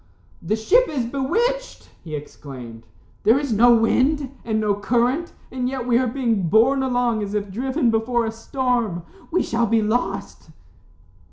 "The ship is bewitched," he exclaimed. "There is no wind, and no current, and yet we are being borne along as if driven before a storm. We shall be lost."